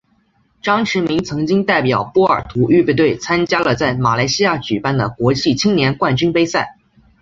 张池明曾经代表波尔图预备队参加了在马来西亚举办的国际青年冠军杯赛。